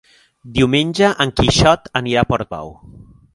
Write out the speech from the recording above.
Diumenge en Quixot anirà a Portbou.